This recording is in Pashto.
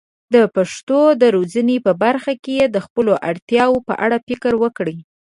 د پښتو د روزنې په برخه کې د خپلو اړتیاوو په اړه فکر وکړي.